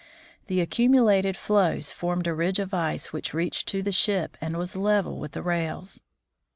The accumulated floes formed a ridge of ice which reached to the ship and was level with the rails.